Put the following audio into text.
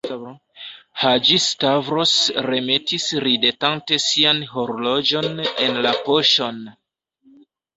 Haĝi-Stavros remetis ridetante sian horloĝon en la poŝon.